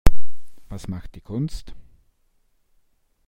Was macht die Kunst?